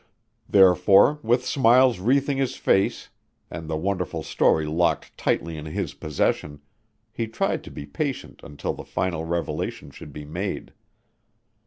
Therefore, with smiles wreathing his face and the wonderful story locked tightly in his possession, he tried to be patient until the final revelation should be made.